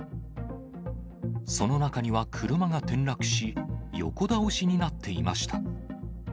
その中には車が転落し、横倒しになっていました。